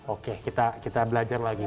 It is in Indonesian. oke kita belajar lagi